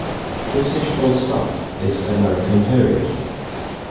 British full stop is American period.